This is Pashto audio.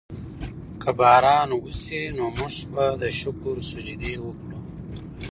که باران وشي نو موږ به د شکر سجدې وکړو.